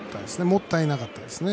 もったいなかったですね。